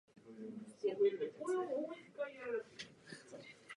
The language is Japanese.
一条天皇の中宮上東門院（藤原道長の娘彰子）に仕えていたころに書いた